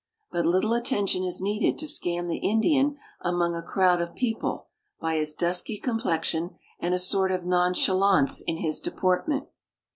But little attention is needed to scan the Indian among a crowd of people by his dusky com})lexion and a sort of nonchalance in his deportment.